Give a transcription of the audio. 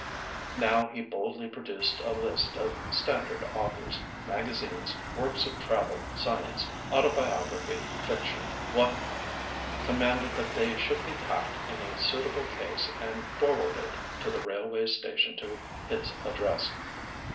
Now he boldly produced a list of standard authors, magazines, works of travel, science, autobiography, fiction, what not; commanded that they should be packed in a suitable case and forwarded to the railway station to his address.